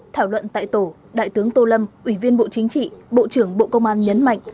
thảo luận tại tổ đại tướng tô lâm ủy viên bộ chính trị bộ trưởng bộ công an nhấn mạnh